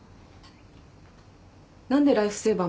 医者とライフセーバー。